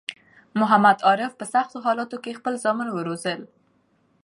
محمد عارف په سختو حالاتو کی خپل زامن وروزل